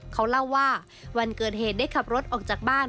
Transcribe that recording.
เขาเล่าว่าวันเกิดเหตุได้ขับรถออกจากบ้าน